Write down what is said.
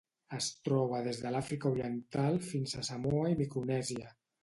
Es troba des de l'Àfrica Oriental fins a Samoa i Micronèsia.